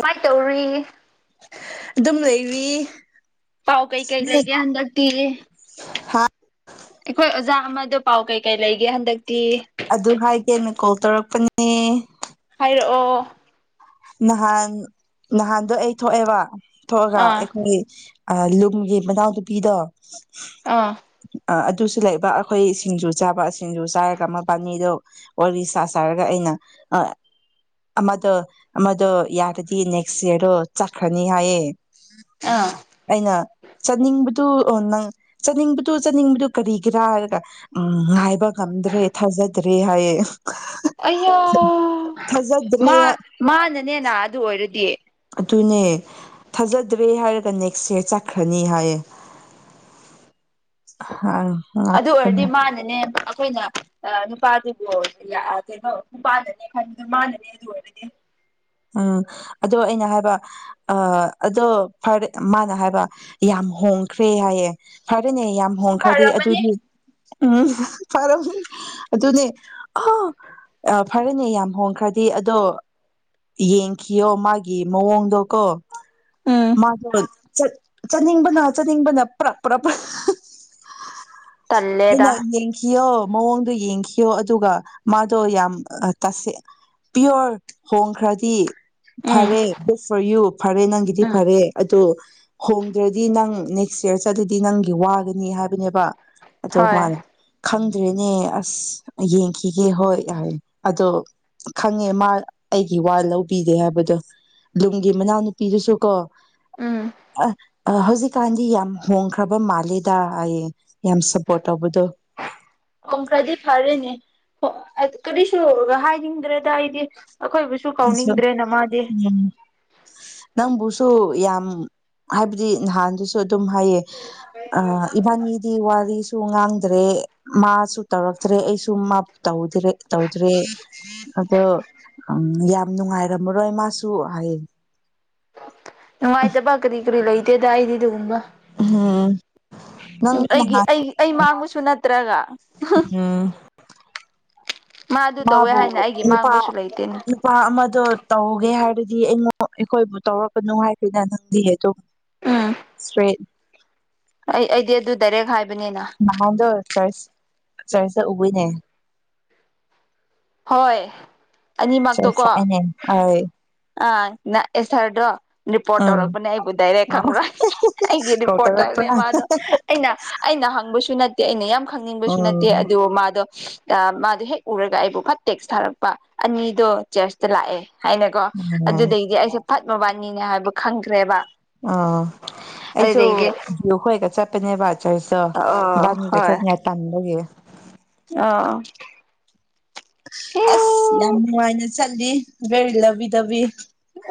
ꯀꯃꯥꯏꯅ ꯇꯧꯔꯤ ꯑꯗꯨꯝ ꯂꯩꯔꯤ ꯄꯥꯎ ꯀꯩ ꯀꯩ ꯂꯩꯒꯦ ꯍꯟꯗꯛꯇꯤ ꯑꯩꯈꯣꯏ ꯑꯣꯖꯥ ꯑꯃꯗꯣ ꯄꯥꯎ ꯀꯩꯀꯩ ꯂꯩ ꯑꯗꯨ ꯍꯥꯏꯒꯦꯅ ꯀꯣꯜ ꯇꯧꯔꯛ ꯄꯅꯦ ꯍꯥꯏꯔꯛꯑꯣ ꯅꯍꯥꯟ ꯅꯍꯥꯟꯗꯣ ꯑꯩ ꯊꯣꯛꯑꯦꯕ ꯊꯣꯛꯑꯒ ꯑꯥ ꯑꯩꯈꯣꯏ ꯑ ꯂꯨꯝꯒꯤ ꯃꯅꯥꯎ ꯅꯨꯄꯤꯗꯣ ꯑꯥ ꯑ ꯑꯗꯨꯁꯨ ꯂꯩꯕ ꯑꯈꯣꯏ ꯁꯤꯡꯖꯨ ꯆꯥꯕ ꯁꯤꯡꯖꯨ ꯆꯥꯔꯒ ꯃꯕꯥꯅꯤꯗꯨ ꯋꯥꯔꯤ ꯁꯥꯥ ꯁꯥꯔꯒ ꯑꯩꯅ ꯑ ꯑꯃꯗꯣ ꯑꯃꯗꯣ ꯌꯥꯔꯗꯤ ꯅꯦꯛꯁ ꯌꯌꯥꯔꯣ ꯆꯠꯈ꯭ꯔꯅꯤ ꯍꯥꯏꯌꯦ ꯑꯥ ꯑꯩꯅ ꯆꯠꯅꯤꯡꯕꯗꯤ ꯅꯪ ꯆꯠꯅꯤꯡꯕꯗꯨ ꯆꯠꯅꯤꯡꯕꯗꯨ ꯀꯔꯤꯒꯤꯔꯥ ꯍꯥꯏꯔꯒ ꯎ ꯉꯥꯏꯕ ꯑꯗ꯭ꯔꯦ ꯊꯖ ꯠꯇꯔꯤ ꯍꯥꯏꯌꯦ ꯑꯣ ꯊꯥꯖꯗ꯭ꯔꯦ ꯃꯥ ꯍꯥꯏ ꯃꯥꯅꯅꯦꯅ ꯑꯗꯨ ꯑꯣꯏꯔ ꯔꯗꯤ ꯑꯗꯨꯅꯦ ꯊꯥꯖꯗ꯭ꯔꯦ ꯍꯥꯏꯔꯒ ꯅꯦꯛꯁꯁꯦ ꯆꯠꯈ꯭ꯔꯅꯤ ꯍꯥꯏꯌꯦ ꯑꯪ ꯑꯗꯨ ꯑꯣꯏꯔꯗꯤ ꯃꯥꯅꯅꯦ ꯑꯩꯈꯣꯏꯅ ꯅꯨꯄꯥꯗꯨꯕꯨ ꯀꯩꯅꯣ ꯅꯨꯄꯥꯅꯅꯦ ꯈꯟꯕꯗꯣ ꯃꯥꯅꯅꯦ ꯑꯗꯨ ꯑꯣꯏꯔꯗꯤ ꯎꯝ ꯑꯗꯣ ꯑꯩꯅ ꯍꯥꯏꯕ ꯑ ꯑꯗꯣ ꯐꯔꯦ ꯃꯥꯅ ꯍꯥꯏꯕ ꯌꯥꯝ ꯍꯣꯡꯈ꯭ꯔꯦ ꯍꯥꯏꯌꯦꯦ ꯐꯔ ꯍꯥꯏꯔꯦꯅꯦ ꯌꯥꯝ ꯍꯣꯡꯈ꯭ꯔꯗꯤ ꯐꯔꯝꯃꯅꯤ ꯑꯗꯨꯗꯤ ꯎꯝ ꯐꯔꯅꯦ ꯑꯗꯨꯅꯦ ꯑ ꯐꯔꯦꯅꯦ ꯌꯥꯝ ꯍꯣꯡꯈ꯭ꯔꯗꯤ ꯑꯗꯣ ꯌꯦꯡꯈꯤꯌꯣ ꯃꯥꯒꯤ ꯃꯑꯣꯡꯗꯣ ꯀꯣ ꯎꯝ ꯃꯥꯗꯣ ꯆꯠꯅꯤꯡꯕꯅ ꯆꯠꯅꯤꯡꯕꯅ ꯄ꯭ꯔꯥꯄ꯭ꯔꯥꯄ ꯇꯜꯂꯦꯗ ꯀ ꯌꯦ ꯀ ꯑꯣꯣ ꯃꯑꯣꯡꯗꯣ ꯌꯦꯡꯈꯤꯕꯌꯣ ꯑꯗꯨꯒ ꯃꯥꯗꯣ ꯌꯥꯝ ꯇꯁ ꯄꯤꯌꯣꯔ ꯍꯣꯡꯈ꯭ꯔꯗꯤ ꯎꯝ ꯐꯔꯦ ꯒꯨꯗ ꯐꯣꯔ ꯌꯨ ꯐꯔꯦ ꯅꯪꯒꯤꯗꯤ ꯎꯝ ꯐꯔꯦ ꯑꯣ ꯍꯣꯡꯗ꯭ꯔꯗꯤ ꯅꯪ ꯅꯦꯛꯁ ꯌꯌꯥꯔ ꯆꯠꯂꯗꯤ ꯅꯪꯒꯤ ꯋꯥꯒꯅꯤ ꯍꯥꯏꯕꯅꯦꯕ ꯑꯗꯨꯧ ꯍꯣꯏ ꯃꯥꯅꯦ ꯈꯪ ꯑꯗꯨ ꯑꯗꯨꯦꯅꯦ ꯑꯁ ꯌꯦꯡꯈꯤꯒꯦ ꯍꯣꯏ ꯌꯥꯔꯦ ꯑꯗꯣ ꯈꯪꯉꯦ ꯃꯥ ꯑꯩꯒꯤ ꯋꯥ ꯂꯧꯕꯤꯒꯦ ꯍꯥꯏꯕꯗꯣ ꯂꯨꯝꯒꯤ ꯃꯅꯥꯎꯅꯨꯄꯤꯗꯨꯁꯨ ꯀꯣ ꯎꯝ ꯑ ꯑ ꯍꯧꯖꯤꯛꯀꯥꯟꯗꯤ ꯌꯥꯝ ꯍꯣꯡꯈ꯭ꯔꯕ ꯃꯥꯜꯂꯦꯗ ꯑꯩꯌꯦ ꯌꯥꯝ ꯁꯞꯄꯣꯔꯠ ꯇꯧꯕꯗꯣ ꯍ ꯀꯔꯤꯁꯨ ꯍꯥꯏꯅꯤꯡꯗ꯭ꯔꯦꯗ ꯑꯩꯗꯤ ꯑꯩꯈꯣꯏꯕꯨꯁꯨ ꯀꯥꯎꯅꯤꯡꯗ꯭ꯔꯦꯅ ꯃꯥꯗꯤ ꯁꯨ ꯌꯥꯝ ꯍꯥꯏꯕꯗꯤ ꯅꯍꯥꯟꯗꯨꯁꯨ ꯑꯗꯨ ꯍꯥꯏꯌꯦ ꯑ ꯏꯕꯥꯗꯤ ꯋꯥꯔꯤ ꯁꯨ ꯉꯥꯡꯗ꯭ꯔꯦ ꯃꯥꯁꯨ ꯇꯧꯔꯛꯇ꯭ꯔꯦ ꯑꯩꯁꯨ ꯇꯧꯗ꯭ꯔꯦ ꯇꯧꯗ꯭ꯔꯦ ꯑꯗꯣ ꯌꯥꯝ ꯅꯨꯡꯉꯥꯏꯔꯝꯃꯔꯣꯏ ꯃꯥꯁꯨ ꯍꯌꯦꯡ ꯉꯥꯏ ꯇ ꯄ ꯀꯔꯤ ꯀꯔꯤ ꯂꯩꯇꯦꯗ ꯑꯗꯨ ꯎꯨꯝꯕ ꯎꯝ ꯅꯪ ꯑꯩꯒꯤ ꯑꯩ ꯑꯩ ꯃꯥꯡꯕꯁꯨ ꯅꯠꯇ꯭ꯔꯒ ꯑꯝ ꯃꯥꯗꯨ ꯇꯧꯋꯦ ꯃꯥꯕꯨ ꯍꯥꯏꯅ ꯑꯩꯒꯤ ꯅꯨꯄꯥ ꯃꯥꯡꯕꯁꯨ ꯂꯩꯇꯦꯅꯦ ꯅꯨꯄꯥ ꯑꯃꯗꯣ ꯇꯧꯒꯦ ꯍꯥꯏꯔꯗꯤ ꯗꯤ ꯑꯩꯉꯣꯟ ꯑꯩꯈꯣꯏꯕꯨ ꯇꯧꯔꯛꯄꯅꯨ ꯍꯥꯏꯈꯗ ꯅꯪꯗꯤ ꯑꯗꯨꯝ ꯎꯝ ꯁ꯭ꯔꯦꯠ ꯑꯩ ꯑꯩꯗꯤ ꯑꯗꯨ ꯏꯔꯦꯛ ꯍꯥꯏꯕ ꯃꯍꯗꯁ ꯆꯔꯁ ꯆꯔꯁ ꯎꯕꯣꯏꯅꯦ ꯍꯣꯏ ꯑꯅꯤꯃꯛꯇꯣ ꯀꯣ ꯁꯅꯦ ꯍ ꯑꯥ ꯅ ꯑꯦꯁꯔꯗ꯭ꯔꯣ ꯔꯤꯄꯣꯔꯠ ꯇꯧꯔꯛꯄꯅꯦ ꯑꯩꯕꯨ ꯗꯥꯏꯔꯦꯛ ꯈꯪꯕ꯭ꯔꯥ ꯑꯩꯒꯤ ꯀꯣꯜ ꯔꯤꯄꯣꯔꯠꯠꯇꯧꯅꯦ ꯇꯧꯔꯛꯄ꯭ꯔꯥ ꯃꯥꯗꯣ ꯑꯩꯅ ꯑꯩꯅ ꯍꯪꯕꯁꯨ ꯅ ꯀ ꯑꯩꯅ ꯌꯥꯝ ꯈꯪꯅꯤꯡꯕꯁꯨ ꯅꯠꯇꯦ ꯎꯝ ꯑꯗꯨꯕꯨ ꯃꯥꯗꯣ ꯑ ꯃꯥꯗꯤ ꯍꯦꯛ ꯎꯔꯒꯥꯏꯕꯣꯛ ꯐꯠꯇ ꯇꯦꯛꯁ ꯊꯥꯔꯛꯄ ꯑꯅꯤꯗꯣ ꯆꯔꯁꯇ ꯂꯥꯛꯑꯦ ꯍꯥꯏꯅꯀꯣ ꯑꯗꯨꯗꯒꯤꯗꯤ ꯑꯩꯁꯦ ꯐꯠ ꯃꯕꯥꯅꯤꯅꯦ ꯍꯥꯏꯕ ꯈꯪꯈ꯭ꯔꯦꯕ ꯑ ꯑꯩꯁꯨ ꯑꯗꯨꯗꯩꯗꯤ ꯌ ꯍꯒ ꯆꯠ ꯟꯋꯥꯗ ꯆꯁ ꯑ ꯒꯃꯤꯒ ꯆ ꯇꯥꯟꯥꯟꯕꯒꯦ ꯑꯥ ꯑꯁ ꯌꯥꯝꯅꯨꯡꯉꯅ ꯆ ꯦ ꯂꯕꯤꯗꯕꯤ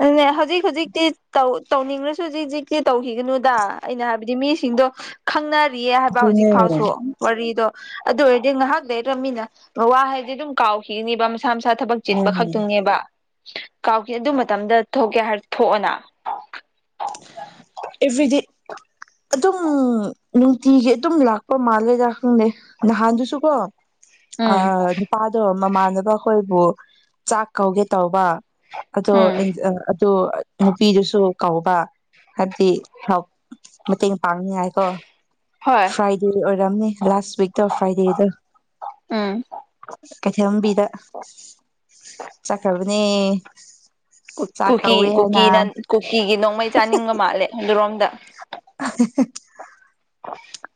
ꯎ ꯍꯧꯖꯤꯛ ꯍꯧꯖꯤꯛꯇꯤ ꯇꯧ ꯇꯧꯅꯤꯡꯉꯁꯨ ꯍꯧꯖꯤꯛꯖꯤꯛ ꯀꯦ ꯇꯧꯈꯤꯒꯅꯨꯗ ꯑꯩꯅ ꯍꯥꯏꯕꯗꯤ ꯃꯤꯁꯤꯡꯗꯣ ꯈꯪꯅ ꯋꯥꯔꯤꯌꯦ ꯍꯥꯏꯕ ꯍꯧꯖꯤꯛ ꯑꯗꯨꯅꯦ ꯐꯥꯎꯁꯨ ꯋꯥꯔꯤꯗꯣ ꯑꯗꯨ ꯑꯣꯏꯔꯗꯤ ꯉꯥꯏꯍꯥꯛ ꯂꯩ ꯂꯩꯔꯝꯃꯤꯅ ꯃꯋꯥ ꯍꯥꯏꯗꯤ ꯑꯗꯨꯝ ꯀꯥꯎꯈꯤꯒꯅꯤꯕ ꯏꯁꯥ ꯃꯁꯥ ꯊꯕꯛ ꯆꯤꯟꯕ ꯎꯝ ꯈꯛꯇꯪꯅꯦꯕ ꯀꯥꯎꯈꯤ ꯑꯗꯨ ꯃꯇꯝꯗ ꯊꯣꯛꯀꯦ ꯍꯥꯏꯔ ꯊꯣꯛꯑꯅ ꯑꯦꯚ꯭ꯔꯤꯗꯦ ꯑꯗꯨꯝ ꯅꯨꯡꯇꯤꯒꯤ ꯑꯗꯨꯝ ꯂꯥꯛꯄ ꯃꯥꯜꯂꯦꯗꯥ ꯈꯪꯅꯩ ꯅꯍꯥꯟꯗꯨꯁꯨ ꯀꯣ ꯑ ꯎꯝ ꯅꯨꯄꯥꯗꯣ ꯃꯃꯥꯟꯅꯕ ꯑꯩꯈꯣꯏꯕꯨ ꯆꯥꯛ ꯀꯧꯒꯦ ꯇꯧꯕ ꯑꯣ ꯎꯝ ꯑꯗꯨ ꯅꯨꯄꯤꯗꯨꯁꯨ ꯀꯧꯕ ꯍꯥꯏꯕꯗꯤ ꯍ ꯃꯇꯦꯡ ꯄꯥꯡꯅꯤꯉꯥꯏꯀꯣ ꯍꯣꯏ ꯐ꯭ꯔꯥꯏꯗꯤ [unintelligible] ꯋꯤꯛꯇꯛꯇꯣ ꯐ꯭ꯔꯥꯏꯗꯦꯗ ꯎꯝ ꯀꯩꯊꯦꯜꯕꯤꯗ ꯆꯀꯕꯨ ꯀꯨꯀꯤ ꯀꯨꯀꯤꯅ ꯀꯨꯀꯤꯒꯤ ꯅꯣꯡꯃꯩ ꯆꯥꯅꯤꯡꯒ ꯃꯥꯜꯂꯦ ꯑꯗꯨꯖꯤꯨꯔꯣꯝꯗ [inaudible]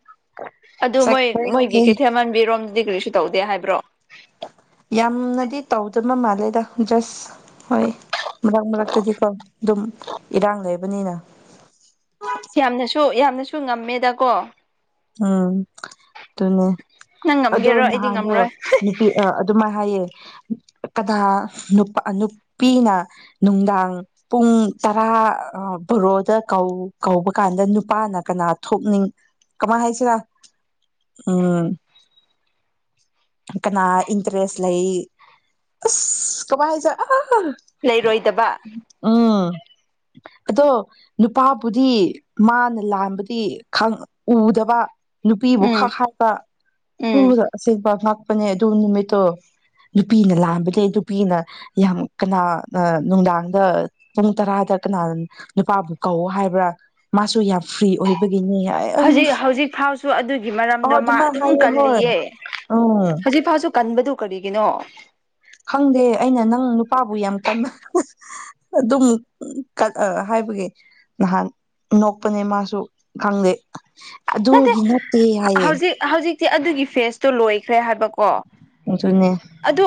[inaudible] ꯑꯗꯨ ꯃꯣꯏ ꯃꯣꯏꯒꯤ ꯆꯠꯈ꯭ꯔꯦ ꯀꯩꯊꯦꯜ ꯃꯥꯟꯕꯤꯔꯣꯝ ꯗꯤꯒ꯭ꯔꯤꯁꯨ ꯇꯧꯗꯦ ꯍꯥꯏꯕ꯭ꯔꯣ ꯌꯥꯝꯅꯗꯤ ꯇꯧꯗꯕ ꯃꯥꯜꯂꯦ ꯗ ꯖꯁ ꯍꯣꯏ ꯃꯔꯛ ꯃꯔꯛꯇꯗꯤꯀꯣ ꯑꯗꯨꯝ ꯏꯔꯥꯡ ꯂꯩꯕꯅꯤꯅ ꯁ꯭ꯌꯥꯝꯅꯦꯁ ꯁ ꯌꯥꯝꯅꯁꯨ ꯉꯝꯃꯦꯗ ꯀꯣ ꯎꯝ ꯑꯗꯨꯅꯦ ꯅꯪ ꯑꯗꯣ ꯉꯝꯒꯦꯔꯣ ꯑꯩꯗꯤ ꯅꯍꯥꯟꯗꯣ ꯉꯝꯔꯣꯏ ꯅꯨꯄꯤ ꯑꯗꯨꯃꯥꯏꯅ ꯍꯥꯏꯌꯦ ꯀꯅꯥ ꯅꯨꯄꯥ ꯅꯨꯄꯤꯅ ꯅꯨꯡꯗꯥꯡ ꯄꯨꯡ ꯇꯔꯥ ꯕꯣꯔꯣꯗꯧ ꯀꯧꯕ ꯀꯥꯟꯗ ꯅꯨꯄꯥꯅ ꯀꯅꯥ ꯊꯣꯛꯅꯤꯡ ꯀꯃꯥꯏ ꯍꯥꯏꯁꯤꯔ ꯎꯝ ꯀꯅꯥ ꯏꯟꯇꯔꯦꯁ ꯂꯩ ꯑꯁ ꯀꯃꯥꯏ ꯍꯥꯏꯁꯤꯔ ꯂꯩꯔꯣꯏꯗꯕ ꯎꯥ ꯑꯗꯣ ꯅꯨꯄꯥꯕꯨꯗꯤ ꯃꯥꯅ ꯂꯥꯟꯕꯗꯤ ꯎꯗꯕ ꯅꯨꯄꯤꯕꯨ ꯎꯝ ꯈꯛ ꯈꯄ ꯎꯝ ꯈꯨꯗ ꯑꯁꯦꯡꯄ ꯅꯦ ꯑꯗꯨ ꯅꯨꯃꯤꯠꯇꯣ ꯅꯨꯄꯤꯅ ꯂꯥꯟꯕꯅꯦ ꯅꯨꯄꯤꯅ ꯌꯥꯝ ꯀꯅꯥ ꯅꯨꯡꯗꯥꯡꯗ ꯄꯨꯡ ꯇꯔꯥꯗ ꯀꯅꯥ ꯅꯨꯄꯥꯕꯨ ꯀꯧꯋ ꯍꯥꯏꯕ꯭ꯔꯥ ꯃꯥꯁꯨ ꯌꯥꯝ ꯐ꯭ꯔꯤ ꯑꯣꯏꯕꯒꯤꯅꯤ ꯑꯩ ꯑꯩ ꯍꯧꯖꯤꯛ ꯍꯧꯖꯤꯛ ꯐꯥꯎꯁꯨ ꯑꯗꯨꯒꯤ ꯑꯣ ꯃꯔꯝꯗꯣ ꯃꯥ ꯑꯗꯨꯃꯥꯏꯅ ꯑꯗꯨꯝ ꯍꯥꯏꯌꯦ ꯍꯣꯏ ꯀꯜꯂꯤꯌꯦ ꯎꯝ ꯍꯧꯖꯤꯛ ꯐꯥꯎꯁꯨ ꯀꯟꯕꯗꯨ ꯀꯔꯤꯒꯤꯅꯣ ꯈꯪꯗꯦ ꯑꯩꯅ ꯅꯪ ꯅꯨꯄꯥꯕꯨ ꯌꯥꯝ ꯀꯟꯅ ꯑꯗꯨꯝ ꯀ ꯍꯥꯏꯕꯒꯤ ꯅꯍꯥꯟ ꯅꯣꯛꯄꯅꯦ ꯃꯥꯁꯨ ꯈꯪꯗꯦ ꯑꯗꯨꯒꯤ ꯅꯠꯇꯦ ꯍꯥꯏꯌꯦ ꯁꯤ ꯑꯗꯨꯒꯤ ꯐꯦꯁꯇꯣ ꯂꯣꯏꯈ꯭ꯔꯦ ꯍꯥꯏꯕꯀꯣ ꯑꯗꯨꯅꯦ ꯑꯗꯨ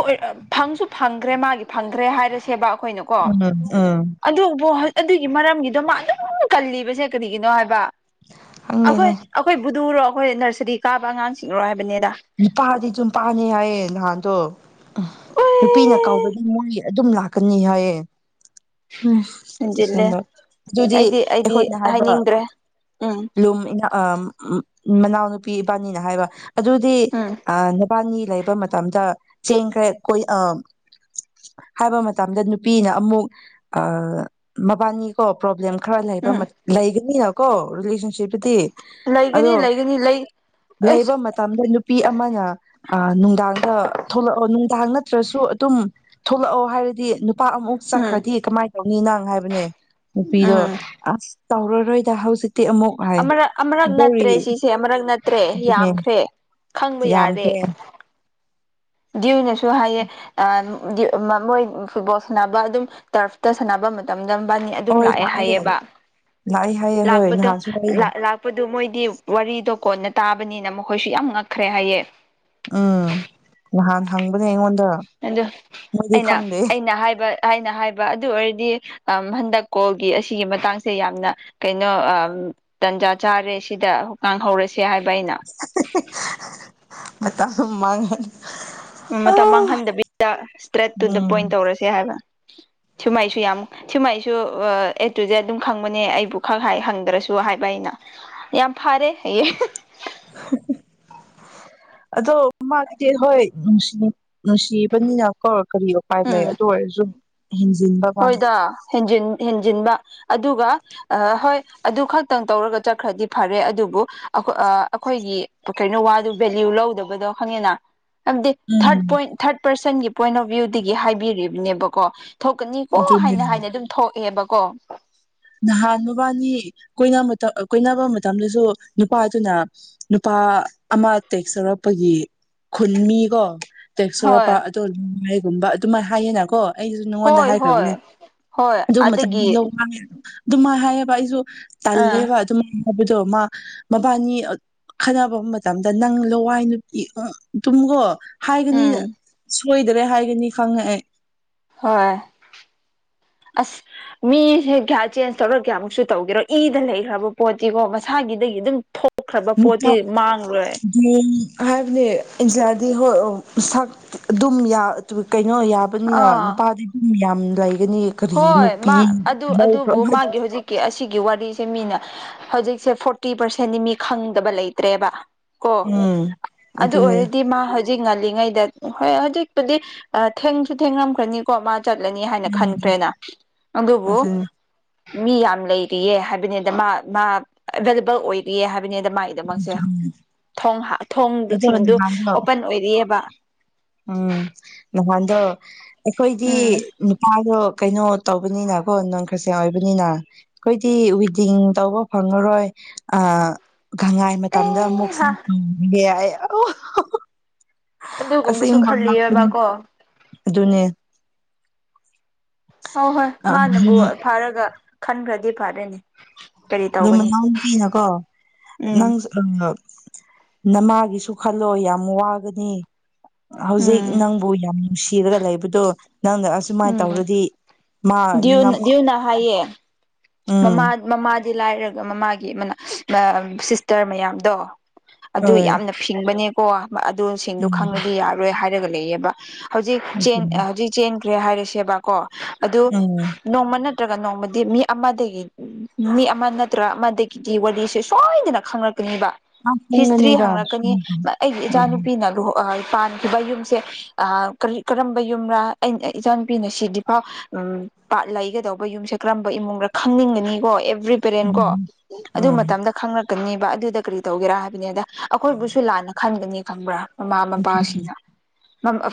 ꯐꯪꯁꯨ ꯐꯪꯈ꯭ꯔꯦ ꯃꯥꯒꯤ ꯐꯪꯈ꯭ꯔꯦ ꯍꯥꯏꯔꯦ ꯁꯦꯕꯥ ꯑꯩꯈꯣꯏꯅꯀꯣ ꯎꯝ ꯎꯝ ꯑꯗꯨꯕꯨ ꯑꯗꯨꯒꯤ ꯃꯔꯝꯒꯤꯗꯣ ꯃꯥ ꯑꯗꯨꯝ ꯀꯜꯂꯤꯕꯁꯦ ꯀꯔꯤꯒꯤꯅꯣ ꯍꯥꯏꯕ [inaudible] ꯑꯈꯣꯏ ꯑꯈꯣꯏ ꯕꯨꯗꯨꯔꯣ ꯑꯈꯣꯏ ꯅꯔꯁꯔꯤ ꯀꯥꯕ ꯑꯉꯥꯡꯁꯤꯡꯔꯣ ꯍꯥꯏ ꯅꯨꯄꯥꯗꯤ ꯖꯨꯝ ꯄꯥꯟꯅꯤ ꯍꯥꯏꯌꯦ ꯅꯍꯥꯟꯗꯣ ꯑꯍ ꯅꯨꯄꯤꯅ ꯀꯧꯕꯗꯤ ꯃꯣꯏ ꯑꯗꯨꯝ ꯂꯥꯛ ꯀꯅꯤ ꯍꯥꯏꯌꯦ ꯍꯩꯁ ꯍꯦꯟꯖꯤꯜꯂꯦ ꯑꯁꯦꯡꯕ ꯑꯗꯨꯗꯤ ꯑꯩꯗꯤ ꯑꯩꯗꯤ ꯑꯩꯈꯣꯏꯅ ꯍꯥꯏꯕ ꯍꯥꯏꯅꯤꯡꯗ꯭ꯔꯦ ꯎꯝ ꯂꯨꯝ ꯃꯤꯅ ꯑꯝ ꯃꯅꯥꯎꯅꯨꯄꯤ ꯏꯕꯥꯅꯤꯅ ꯍꯥꯏꯕ ꯑꯗꯨ ꯗꯤ ꯎꯝ ꯑꯥ ꯅꯕꯥꯅꯤ ꯂꯩꯕ ꯃꯇꯝꯗ ꯆꯦꯟꯈ꯭ꯔꯦ ꯀꯣꯢ ꯑ ꯍꯥꯏꯕ ꯃꯇꯝꯗ ꯅꯨꯄꯤꯅ ꯑꯃꯨꯛ ꯑ ꯃꯕꯥꯅꯤꯀꯣ ꯄ꯭ꯔꯣꯕ꯭ꯂꯦꯝ ꯈꯔ ꯂꯩꯕ ꯎꯝ ꯃ ꯂꯩꯒꯅꯤꯅ ꯀꯣ ꯔꯤꯂꯦꯁꯟ ꯁꯤꯄꯗꯤ ꯂꯩꯒꯅꯤ ꯑꯗꯣ ꯂꯩꯒꯅꯤ ꯂꯩ ꯑꯁ ꯂꯩꯕ ꯃꯇꯝꯗ ꯅꯨꯞ ꯅꯨꯄꯤ ꯑꯃꯅ ꯑ ꯅꯨꯡꯗꯥꯡꯗ ꯊꯣꯛꯂꯛꯑꯣ ꯅꯨꯡꯗꯥꯡ ꯅꯠꯇ꯭ꯔꯁꯨ ꯑꯗꯨꯝ ꯊꯣꯛꯂꯛꯑꯣ ꯍꯥꯏꯔꯗꯤ ꯄꯥꯛ ꯑꯃꯨꯛ ꯎꯝ ꯆꯠꯈ꯭ꯔꯗꯤ ꯀꯃꯥꯏ ꯂꯧꯅꯤ ꯅꯥꯥꯡ ꯍꯥꯏꯕꯅꯦ ꯅꯨꯄꯤꯗꯣ ꯎꯝ ꯑꯁ ꯇꯧꯔꯔꯣꯏꯗ ꯍꯧꯖꯤꯛ ꯑꯃꯔꯛ ꯑꯃꯔꯛ ꯅꯠꯇ꯭ꯔꯦ ꯁꯤꯁꯦ ꯑꯃꯔꯛ ꯅꯠꯇ꯭ꯔꯦ ꯑꯗꯨꯅꯦ ꯌꯥꯝꯈ꯭ꯔꯦ ꯈꯪꯕ ꯌꯥꯔꯦ ꯌꯥꯝꯈ꯭ꯔꯦ ꯗ꯭ꯋꯨꯏꯅꯁꯨ ꯍꯥꯏꯌꯦ ꯑꯥ ꯗꯤ ꯃ ꯃꯣꯏ ꯐꯨꯠꯕꯣꯜ ꯁꯥꯟꯅꯕ ꯑꯗꯨꯝ ꯇꯔ꯭ꯐꯇ ꯁꯥꯟꯅꯕ ꯃꯇꯝ ꯃꯕꯥꯅꯤ ꯑꯗꯨꯝ ꯂꯥꯛꯑꯦ ꯍꯥꯏꯌꯦꯕ ꯂꯥꯛꯑꯦ ꯍꯥꯏꯌꯦ ꯍꯣꯏ ꯂꯥꯛꯄꯗꯣ ꯅꯍꯥꯟꯁꯨ ꯍꯥꯏꯌꯦ ꯂ ꯂꯥꯛꯄꯗꯣ ꯃꯣꯏꯗꯤ ꯋꯥꯔꯤꯗꯣ ꯀꯣꯟꯅ ꯇꯥꯕꯅꯤꯅ ꯃꯈꯣꯏꯁꯨ ꯌꯥꯝ ꯉꯛꯈ꯭ꯔꯦ ꯍꯥꯏꯌꯦ ꯎꯝ ꯅꯍꯥꯟ ꯍꯪ ꯉꯦ ꯑꯩꯉꯣꯟꯗ ꯑꯗꯣ ꯃꯣꯏꯗꯤ ꯑꯩꯅ ꯈꯪꯗꯦ ꯑꯩꯅ ꯍꯥꯏꯕ ꯑꯩꯅ ꯍꯥꯏꯕ ꯑꯗꯨ ꯑꯣꯏꯔꯗꯤ ꯑꯝ ꯍꯟꯗꯛ ꯀꯣꯜꯒꯤ ꯑꯁꯤꯒꯤ ꯃꯇꯥꯡꯁꯦ ꯌꯥꯝꯅ ꯀꯩꯅꯣ ꯑꯝ ꯇꯟꯖꯥ ꯆꯥꯔꯦ ꯁꯤꯗ ꯍꯣ ꯄꯥꯡꯍꯧꯔꯁꯤ ꯁꯤ ꯍꯥꯏꯕ ꯑꯩꯅ ꯃꯇꯝ ꯃꯥꯡꯍꯟ ꯎꯝ ꯃꯇꯝ ꯃꯥꯡꯍꯟꯗꯕꯤꯗ ꯏꯁꯇ꯭ꯔꯦꯠ ꯇꯨ ꯗ ꯄꯣꯏꯟ ꯎꯝ ꯇꯧꯔꯁꯦ ꯍꯥꯏꯕ ꯁꯨꯃꯥꯏꯁꯨ ꯌꯥꯝ ꯁꯨꯃꯥꯏꯁꯨ ꯑ ꯑꯦ ꯇꯨ ꯖꯦꯠ ꯗꯨꯝ ꯈꯪꯕꯅꯦ ꯑꯩꯕꯨ ꯈꯛ ꯍꯥꯢ ꯍꯪꯗ꯭ꯔꯁꯨ ꯍꯥꯏꯕ ꯑꯩꯅ ꯌꯥꯝ ꯐꯔꯦ ꯍꯥꯢꯌꯦ ꯑꯗꯣ ꯃꯥꯒꯤꯗꯤ ꯍꯣꯏ ꯅꯨꯡꯁꯤ ꯅꯨꯡꯁꯤꯕꯅꯤꯅ ꯀꯣ ꯀꯔꯤ ꯎꯄꯥꯏ ꯎꯝ ꯂꯩ ꯑꯗꯨ ꯑꯣꯏꯔꯖꯨ ꯍꯣꯏꯗ ꯍꯦꯟꯖꯤꯟ ꯍꯦꯟꯖꯤꯟꯕ ꯑꯗꯨꯒ ꯑ ꯍꯣꯏ ꯑꯗꯨ ꯈꯛꯇꯪ ꯇꯧꯔꯒ ꯆꯠꯈ꯭ꯔꯗꯤ ꯐꯔꯦ ꯑꯗꯨꯕꯨ ꯑꯈꯣ ꯑ ꯑꯩꯈꯣꯏꯒꯤ ꯀꯩꯅꯣ ꯋꯥꯗꯨ ꯚꯦꯂ꯭ꯌꯨ ꯂꯧꯗꯕꯗꯣ ꯈꯪꯉꯦꯅ ꯑꯃꯗꯤ ꯊꯥꯔꯠ ꯎꯝ ꯄꯣꯏꯟ ꯊꯥꯔꯠꯔꯁꯦꯟ ꯄꯣꯏ ꯑꯣ ꯚ ꯍꯥꯏꯕꯤꯔꯤꯕꯅꯦꯕꯀꯣ ꯊꯣꯛ ꯀꯣ ꯑꯗꯨꯅꯦ ꯍꯥꯏꯅ ꯍꯥꯏꯅ ꯑꯗꯨꯝ ꯊꯣꯛꯑꯦꯕ ꯀꯣ ꯅꯍꯥꯟ ꯃꯕꯥꯅꯤ ꯀꯣꯏ ꯀꯣꯏꯅꯕ ꯃꯇꯝꯗꯁꯨ ꯅꯨꯄꯥꯗꯨꯅ ꯅꯨꯄꯥ ꯑꯃ ꯇꯦꯛꯁ ꯇꯧꯔꯛꯄꯒꯤ ꯈꯨꯟ ꯃꯤꯀꯣ ꯇꯦꯛꯁꯣꯂ ꯍꯣꯏ ꯄ ꯒꯨꯝꯕ ꯑꯗꯨꯃꯥꯏꯅ ꯍꯥꯏꯌꯦꯅꯀꯣ ꯑꯩꯁꯨ ꯅꯉꯣꯟꯗ ꯍꯣꯏ ꯍꯣꯏ ꯍꯥꯏꯈ꯭ꯔꯕꯅꯦ ꯍꯣꯏ ꯑꯗꯨ ꯃꯇꯝꯃꯦ ꯑꯗꯒꯤ ꯑꯗꯨꯃꯥꯏ ꯍꯥꯏꯌꯦ ꯏꯁꯨꯣ ꯑꯥ ꯇꯂꯦꯕ ꯑꯗꯨꯃ ꯍꯥꯏꯕꯗꯣ ꯃꯥ ꯃꯕꯥꯅꯤ ꯈꯟꯅꯕ ꯃꯇꯝꯗ ꯅꯪ ꯂꯋꯥꯏ ꯅꯨꯄꯤ ꯇꯨꯝꯒꯣ ꯍꯥꯏꯒꯅꯤꯅ ꯎꯝ ꯁꯣꯏꯗꯔꯦ ꯍꯥꯏꯒꯅꯤ ꯈꯪꯉꯛꯑꯦ ꯍꯣꯏ ꯑꯁ ꯃꯤꯁꯦ ꯀꯌꯥ ꯆꯦꯟꯖ ꯇꯧꯔ ꯀꯌꯥꯃꯨꯛꯁꯨ ꯇꯧꯒꯦꯔꯣ ꯏꯗ ꯂꯩꯈ꯭ꯔꯕ ꯄꯣꯠꯇꯤꯀꯣ ꯃꯁꯥꯒꯤꯗꯒꯤ ꯑꯗꯨꯝ ꯊꯣꯛꯈ꯭ꯔꯕ ꯄꯣꯠꯇꯤ ꯃꯥꯡꯂꯣꯏ ꯍꯥꯏꯕꯅꯤ ꯏꯟꯗꯤꯌꯥꯗꯤ ꯍꯣꯏ ꯁꯛ ꯑꯗꯨꯝ ꯏꯉꯣ ꯌꯥꯕꯅꯤ ꯑꯥ ꯅꯨꯄꯥꯗꯤ ꯑꯗꯨꯝ ꯌꯥ ꯝ ꯂꯩ ꯍꯣꯏ ꯃꯥ ꯑꯗꯨ ꯑꯗꯨꯕꯨ ꯃꯥꯒꯤ ꯍꯧꯖꯤꯛꯀꯤ ꯑꯁꯤꯒꯤ ꯋꯥꯔꯤ ꯁꯤ ꯃꯤꯅ ꯍꯧꯖꯤꯛꯁꯦ ꯐꯣꯔꯇꯤ ꯄꯥꯔꯁꯦꯟꯗꯤ ꯃꯤ ꯈꯪꯗꯕ ꯂꯩꯇ꯭ꯔꯦꯕ ꯀ ꯎꯝ ꯑꯗꯨ ꯑꯗꯨꯅꯦ ꯑꯣꯏꯔꯗꯤ ꯃꯥ ꯍꯧ ꯉꯜꯂꯤꯉꯩꯗ ꯍꯣꯏ ꯍꯧꯖꯤꯛꯄꯨꯗꯤ ꯊꯦꯡꯁꯨ ꯊꯦꯡꯅꯝꯈ꯭ꯔꯅꯤꯀꯣ ꯃꯥ ꯆꯠꯂꯅꯤ ꯍꯥꯏꯅ ꯎꯝ ꯈꯟꯒ ꯑ ꯑꯗꯨꯕꯣ ꯑꯗꯣ ꯃꯤ ꯌꯥꯝ ꯂꯩꯔꯤꯌꯦ ꯍꯥꯏꯕꯅꯤꯗ ꯃꯥ ꯃꯥ ꯑꯦꯚꯏꯂꯦꯕꯜ ꯑꯣꯏꯔꯤꯌꯦ ꯍꯥꯏꯕ ꯃꯥꯒꯤꯗꯃꯛꯁꯦ ꯊꯣꯡ ꯊꯁꯤꯡꯗꯨ ꯅꯍꯥꯟꯗꯣ ꯑꯣꯄꯟ ꯑꯣꯏꯔꯤꯑꯕ ꯎꯝ ꯅꯍꯥꯟꯗꯣ ꯑꯩꯈꯣꯏꯗꯤ ꯎꯝ ꯅꯨꯄꯥꯗꯣ ꯀꯩꯅꯣ ꯇꯧꯕꯅꯤꯅ ꯀꯣ ꯅꯪ ꯈꯔꯁꯦꯡ ꯑꯣꯏꯕꯅꯤꯅ ꯑꯩꯈꯣꯏꯗꯤ ꯋꯤꯗꯤꯡ ꯇꯧꯕ ꯐꯪꯉꯔꯣꯏ ꯑ ꯒꯪꯍꯥꯏ ꯃꯇꯝꯗ ꯑꯃꯨꯛ ꯑꯦ ꯍꯥ ꯆꯥꯛꯦ ꯑ ꯑꯁ ꯑꯗꯨꯒꯨꯝꯕꯁꯨ ꯏꯅꯦ ꯈꯜꯂꯤꯑꯕꯀꯣ ꯑꯗꯨꯅꯦ ꯍꯣꯏ ꯍꯣꯏ ꯃꯥꯅꯕꯨ ꯑꯗꯨ ꯐꯥꯔꯒ ꯈꯟꯈ꯭ꯔꯗꯤ ꯐꯔꯦꯅꯦ ꯀꯔꯤ ꯑꯗꯨꯣ ꯇꯧꯒꯅꯤ ꯃꯅꯥꯎꯅꯨꯄꯤꯅꯀꯣ ꯎꯝ ꯅꯪ ꯅꯃꯥꯒꯤꯁꯨ ꯈꯜꯂꯣ ꯌꯥꯝ ꯋꯥꯒꯅꯤ ꯍꯧꯖꯤꯛ ꯎꯝ ꯅꯪꯕꯨ ꯌꯥꯝ ꯅꯨꯡꯁꯤꯔꯒ ꯂꯩꯕꯗꯣ ꯅꯪꯗ ꯑꯁꯨꯃꯥꯏꯅ ꯎꯝ ꯇꯧꯔꯗꯤ ꯃꯥ ꯗꯤꯌꯨ ꯅꯤꯡꯉꯝ ꯗꯤꯌꯨꯅ ꯍꯥꯏꯌꯦ ꯎꯝ ꯃꯃꯥ ꯃꯃꯥꯗꯤ ꯂꯥꯏꯔꯒ ꯃꯃꯥꯒꯤ ꯃꯅꯥ ꯁꯤꯁꯇꯔ ꯃꯌꯥꯝꯗꯣ ꯑꯗꯨ ꯍꯣꯏ ꯌꯥꯝꯅ ꯐꯤꯡꯕꯅꯦ ꯀꯣ ꯑꯗꯨꯁꯤꯡꯗꯨꯣ ꯎꯝ ꯈꯪꯉꯗꯤ ꯌꯥꯔꯣꯏ ꯍꯥꯏ ꯒ ꯂꯩꯌꯦꯦꯕ ꯍꯧꯖꯤꯛ ꯆꯦꯟ ꯍꯧꯖꯤꯛ ꯆꯦꯟ ꯔꯦ ꯍꯥꯏꯔꯦꯁꯦꯕꯥ ꯀꯣ ꯑꯗꯨ ꯎꯝ ꯅꯣꯡꯃ ꯅꯠꯇ꯭ꯔꯒ ꯅꯣꯡꯃꯗ ꯃꯤ ꯑꯃꯗꯒꯤ ꯃꯤ ꯑꯃ ꯅꯠꯇ꯭ꯔꯒ ꯑꯃꯗꯒꯤꯗꯤ ꯋꯥꯔꯤꯁꯦ ꯁꯣꯏꯗꯅ ꯈꯪꯂꯪꯂꯛ ꯍꯤꯁꯇ꯭ꯔꯤ ꯈꯪꯒꯅꯤꯗ ꯍꯪꯂꯉꯛꯀꯅꯤ ꯑꯩꯒꯤ ꯎꯝ ꯏꯆꯥꯅꯨꯄꯤꯅ ꯂ ꯄꯥꯟꯈꯤꯕ ꯌꯨꯝꯁꯦ ꯀꯔꯤ ꯀꯔꯝꯕ ꯌꯨꯝꯅ ꯑ ꯏꯆꯥꯅꯨꯄꯤꯅ ꯁꯤꯗꯤꯐꯥꯎ ꯄꯥꯠ ꯂꯩꯒꯗꯧꯕ ꯌꯨꯝꯁꯦ ꯀꯔꯝꯕ ꯏꯃꯨꯡꯗ ꯈꯪꯅꯤꯡꯒꯅꯤꯀꯣ ꯑꯦꯕ꯭ꯔꯤ ꯄꯦꯔꯦꯟ ꯀꯣ ꯎꯝ ꯑꯗꯨ ꯎꯝ ꯃꯇꯝꯗ ꯈꯪꯛ ꯀꯛꯀꯅꯤꯕ ꯑꯗꯨꯗ ꯀꯔꯤ ꯇꯧꯒꯦꯔꯥ ꯍꯥꯏꯕꯅꯤꯗ ꯑꯩꯈꯣꯏꯕꯨꯁꯨ ꯂꯥꯟꯅ ꯈꯟꯒꯅꯤ ꯈꯪꯕ꯭ꯔꯥ ꯃꯃꯥ ꯃꯄꯥꯁꯤꯡꯅ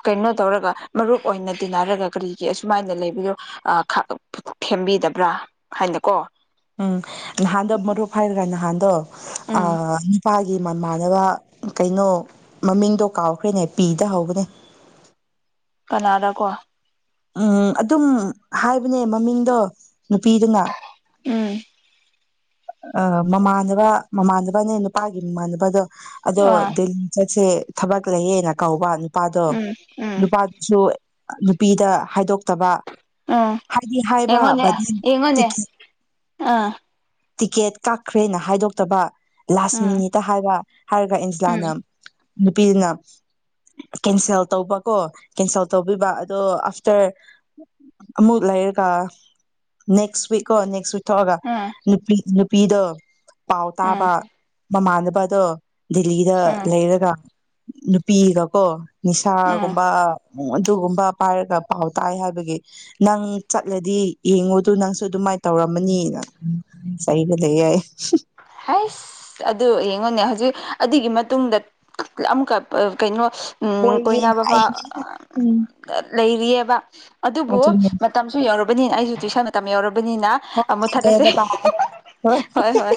ꯀꯩꯅꯣ ꯇꯧꯔꯒ ꯃꯔꯨꯞ ꯑꯣꯏꯅ ꯇꯤꯟꯅꯔꯒ ꯀꯔꯤꯒꯤ ꯑꯁꯨꯃꯥꯏꯅ ꯂꯩꯕꯗꯣ ꯊꯦꯝꯕꯤꯗꯕ꯭ꯔꯥ ꯍꯥꯏꯅꯀꯣ ꯎꯝ ꯅꯍꯥꯟꯗꯣ ꯃꯔꯨꯞ ꯍꯥꯏꯈ꯭ꯔꯥ ꯅꯍꯥꯟꯗꯣ ꯎꯝ ꯑꯄꯒꯤ ꯃꯃꯥꯟꯅꯕ ꯀꯩꯅꯣ ꯃꯃꯤꯡꯗꯣ ꯀꯥꯎꯈ꯭ꯔꯦꯅꯦ ꯄꯤꯗꯍꯧꯕꯅꯦ ꯀꯅꯥꯗ ꯀꯣ ꯎꯝ ꯑꯗꯨꯝ ꯍꯥꯏꯕꯅꯦ ꯃꯃꯤꯡꯗꯣ ꯅꯨꯄꯤꯗꯨꯉ ꯎꯝ ꯑ ꯃꯃꯥꯟꯅꯕ ꯃꯃꯥꯟꯅꯕꯅꯦ ꯅꯨꯄꯥꯒꯤ ꯃꯃꯥꯟꯅꯕꯗꯣ ꯑꯗꯣ ꯑꯥ ꯁꯦ ꯊꯕꯛ ꯂꯩꯌꯦꯅ ꯀꯧꯕ ꯅꯨꯄꯥꯗꯣ ꯎꯝ ꯎꯝ ꯅꯨꯄꯥꯗꯨꯁꯨ ꯅꯨꯄꯤꯗ ꯍꯥꯏꯗꯣꯛꯇꯕ ꯎꯝ ꯍꯥꯏꯗꯤ ꯍꯥꯏꯕ ꯌꯦꯉꯣꯟꯅꯦ ꯕꯠ ꯌꯦꯉꯣꯟꯅꯦ ꯇꯤꯀꯤ ꯑꯥ ꯇꯤꯀꯦꯠ ꯀꯛꯈ꯭ꯔꯦꯅ ꯍꯥꯏꯗꯣꯛꯇꯕ ꯂꯥꯁ ꯎꯝ ꯃꯤꯅꯤꯠꯇ ꯍꯥꯏꯕ ꯍꯥꯏꯔꯒ ꯎꯝ ꯑꯦꯟꯖꯤꯂꯥꯅ ꯅꯨꯄꯤꯗꯨꯅ ꯀꯦꯟꯁꯦꯜ ꯇꯧꯕꯀꯣ ꯀꯦꯟꯁꯦꯜ ꯇꯧꯕꯤꯕ ꯑꯗꯣ ꯑꯥꯐꯇꯔ ꯑꯃꯨꯛ ꯂꯩꯔꯒ ꯅꯦꯛꯁ ꯋꯤꯛꯀꯣ ꯅꯦꯛꯁ ꯋꯤꯛ ꯊꯣꯛꯑꯒ ꯎꯝ ꯅꯨꯄꯤꯗ ꯄꯥꯎ ꯎꯝ ꯇꯥꯕ ꯃꯃꯥꯟꯗ ꯄꯥꯗꯣ ꯦꯜꯂꯤꯗ ꯎꯝ ꯂꯩꯔꯒ ꯅꯨꯄꯤꯒ ꯀꯣ ꯎꯝ ꯅꯤꯁꯥꯒꯨꯝꯕ ꯎ ꯑꯗꯨꯒꯨꯝꯕ ꯄꯥꯏꯔꯒ ꯄꯥꯎ ꯇꯥꯏ ꯍꯥꯏꯕꯒꯤ ꯅꯪ ꯆꯠꯂꯗꯤ ꯌꯦꯡꯉꯨꯗꯨ ꯅꯪꯁꯨ ꯑꯗꯨꯃꯥꯏꯅ ꯇꯧꯔꯝꯃꯅꯤꯅ ꯁꯩꯒ ꯂꯩ ꯏ ꯌꯥ ꯍꯩꯁ ꯑꯗꯨ ꯌꯦꯡꯉꯣꯅꯦ ꯍꯧꯖꯤꯛ ꯑꯗꯨꯒꯤ ꯃꯇꯨꯡꯗ ꯑꯃꯨꯛꯀ ꯀꯩꯅꯣ ꯎꯝ ꯀꯣꯏꯅꯥ ꯀꯣꯏꯒꯦꯅ ꯕꯕꯥ ꯍꯥꯏꯅꯦ ꯎꯝ ꯂꯩꯔꯤꯑ ꯋꯥ ꯑꯗꯨꯕꯨ ꯑꯗꯨꯅꯦ ꯃꯇꯝꯁꯨ ꯌꯧꯔꯕꯅꯤꯅ ꯑꯩꯁꯨ ꯇꯨꯋꯏꯁꯟ ꯃꯇꯝ ꯌꯧꯔꯕꯅꯤꯅ ꯑꯣꯀꯦ ꯃꯨꯠꯊꯠꯂꯁꯦ ꯕꯥꯏ ꯍꯣꯏ ꯍꯣꯏ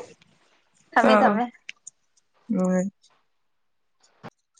ꯊꯝꯃꯦ ꯑ ꯊꯝꯃꯦ ꯎ